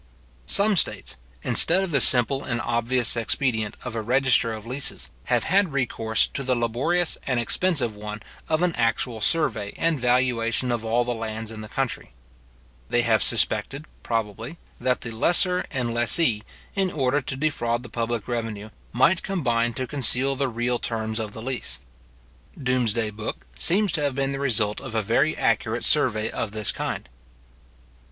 Some states, instead of the simple and obvious expedient of a register of leases, have had recourse to the laborious and expensive one of an actual survey and valuation of all the lands in the country. They have suspected, probably, that the lessor and lessee, in order to defraud the public revenue, might combine to conceal the real terms of the lease. Doomsday book seems to have been the result of a very accurate survey of this kind.